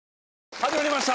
始まりました。